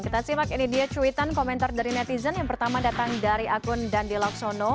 kita simak ini dia cuitan komentar dari netizen yang pertama datang dari akun dandi laksono